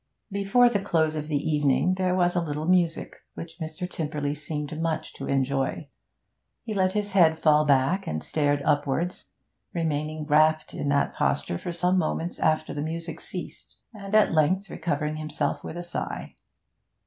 Before the close of the evening there was a little music, which Mr. Tymperley seemed much to enjoy. He let his head fall back, and stared upwards; remaining rapt in that posture for some moments after the music ceased, and at length recovering himself with a sigh.